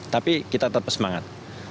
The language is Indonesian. tapi kita tetap semangat